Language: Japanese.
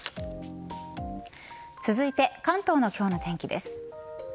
続いて関東の今日の天気です。